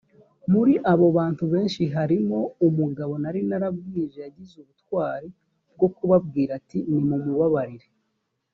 muri abo bantu benshi harimo umugabo nari narabwirije yagize ubutwari bwo kubabwira ati nimumubabarire